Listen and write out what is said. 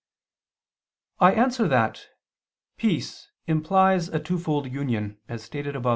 I answer that, Peace implies a twofold union, as stated above (A.